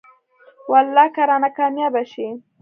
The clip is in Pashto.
والله که رانه کاميابه شې.